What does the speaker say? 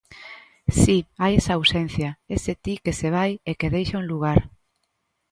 Si, hai esa ausencia, ese ti que se vai e que deixa un lugar.